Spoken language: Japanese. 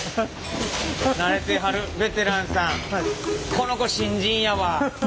この子新人やわ。